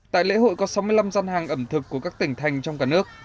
tại lễ hội có sáu mươi năm gian hàng ẩm thực của các tỉnh thành trong cả nước